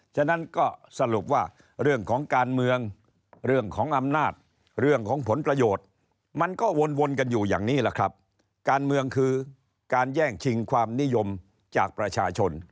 ฉะนั้นก็สรุปว่าเรื่องของการเมืองเรื่องของอำนาจเรื่องของผลประโยชน์มันก็วนกันอยู่อย่างนี้แหละครับการเมืองคือการแย่งชิงความนิยมจากประชาชน